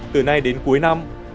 từ nay đến cuối năm